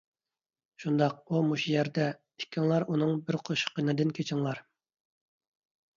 شۇنداق، ئۇ مۇشۇ يەردە. ئىككىڭلار ئۇنىڭ بىر قوشۇق قېنىدىن كېچىڭلار.